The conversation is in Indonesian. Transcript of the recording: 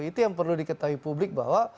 itu yang perlu diketahui publik bahwa